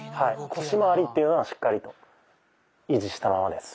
腰まわりっていうのはしっかりと維持したままです。